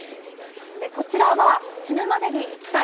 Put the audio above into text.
こちらは「死ぬまでに行きたい！